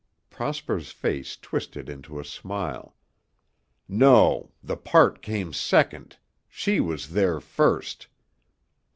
Prosper's face twisted into a smile. "No. The part came second, she was there first.